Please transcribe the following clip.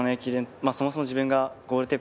そもそも自分がゴールテープ